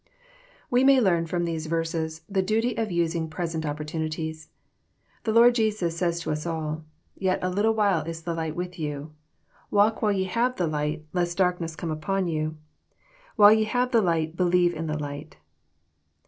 We may learn, from these verses, the dtUy of using present opportunUies. The Lord Jesns says to us all, ^' Yet a little while is the light with yon. Walk while ye have the light, lest darkness come upon you. — While ye have light believe in the light."